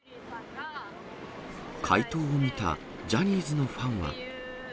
回答を見たジャニーズのファンは。